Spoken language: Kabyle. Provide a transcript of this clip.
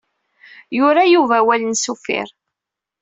Yura Yuba awal-nnes uffir.